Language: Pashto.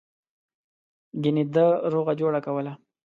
گني ده روغه جوړه کوله.